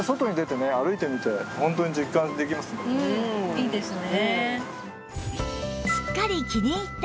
いいですね。